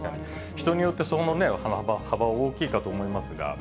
人によって、その幅は大きいかと思いますが。